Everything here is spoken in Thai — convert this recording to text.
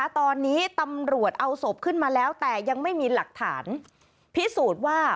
ตอนนี้ตำรวจเอาศพขึ้นมาแล้วแต่ยังไม่มีหลักฐานพิสูจน์ว่า